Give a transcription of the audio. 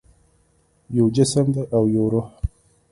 یو جسم دی او یو روح